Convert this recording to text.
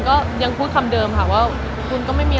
คนยังให้ความสนใจเยอะขนาดนี้